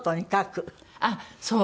あっそう！